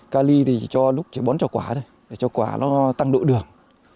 ca ly thì cho lúc bón cho quả thôi cho quả nó tăng độ đường